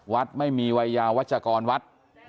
วัดไม่มีวัยยาวัชกรวัด